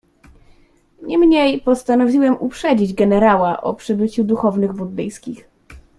"Niemniej postanowiłem uprzedzić generała o przybyciu duchownych buddyjskich."